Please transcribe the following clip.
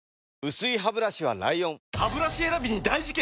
薄いハブラシは ＬＩＯＮハブラシ選びに大事件！